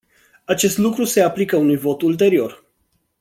Acest lucru se aplică unui vot ulterior.